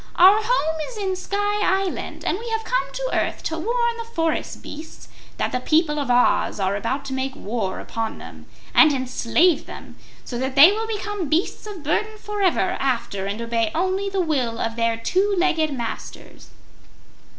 "Our home is in Sky Island, and we have come to earth to warn the forest beasts that the people of Oz are about to make war upon them and enslave them, so that they will become beasts of burden forever after and obey only the will of their two legged masters."